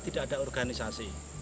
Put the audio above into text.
tidak ada organisasi